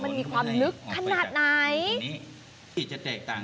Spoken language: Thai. มันมีความลึกขนาดไหน